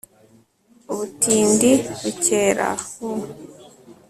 ubutindi bukera = u-uu-u